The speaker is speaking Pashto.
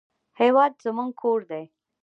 هېواد زموږ کور دی